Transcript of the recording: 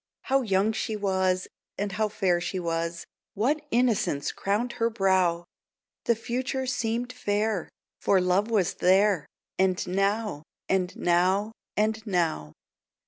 How young she was, and how fair she was; What innocence crowned her brow! The future seemed fair, for Love was there And now and now and now.